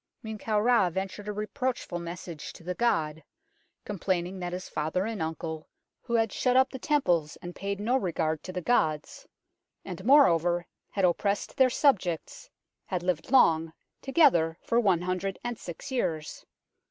Men kau Ra ventured a reproachful message to the god, complaining that his father and uncle, who had shut up the temples and paid no regard to the gods, and moreover, had oppressed their subjects, had lived long, together for one hundred and six years.